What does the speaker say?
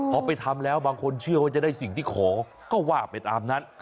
พอไปทำแล้วบางคนเชื่อว่าจะได้สิ่งที่ขอก็ว่าไปตามนั้น